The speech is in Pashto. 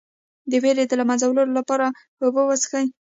د ویرې د له منځه وړلو لپاره اوبه وڅښئ